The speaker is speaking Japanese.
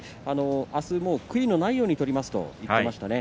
明日もう悔いのないように取りますと言っていましたね。